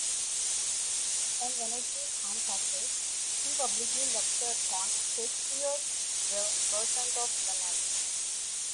On Wednesdays and Saturdays he publicly lectured on Shakespeare's The Merchant of Venice.